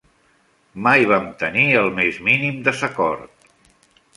Mai vam tenir el més mínim "desacord".